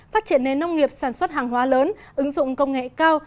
phát triển nền nông nghiệp sản xuất hàng hóa lớn ứng dụng công nghệ cao